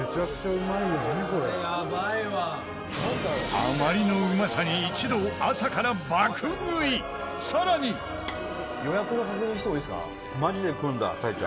あまりのうまさに一同、朝から爆食い更に予約の確認してもいいですか？